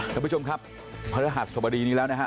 ท่านผู้ชมครับพระฤหัสสบดีนี้แล้วนะฮะ